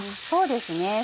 そうですね。